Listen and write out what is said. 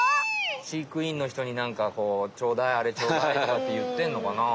飼育員のひとになんかこう「ちょうだいあれちょうだい」とかっていってんのかな？